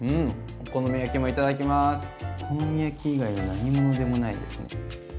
お好み焼き以外の何物でもないですね。